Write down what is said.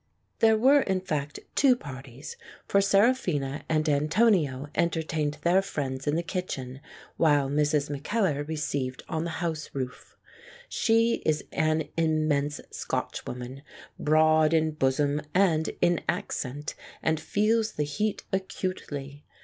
There were in fact two parties, for Seraphina and Antonio entertained their friends in the kitchen, while Mrs. Mackellar received on the house roof. She is an immense Scotchwoman, broad in bosom and in accent, and feels the heat acutely.